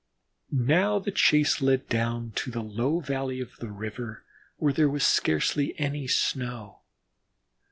Now the chase led downward to the low valley of the river, where there was scarcely any snow.